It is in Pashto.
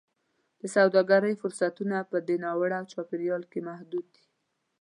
د سوداګرۍ فرصتونه په دې ناوړه چاپېریال کې محدود دي.